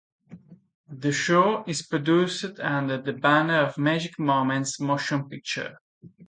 The show is produced under the banner of Magic Moments Motion Pictures.